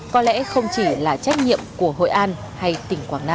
có lẽ không chỉ là trách nhiệm của hội an hay tỉnh quảng nam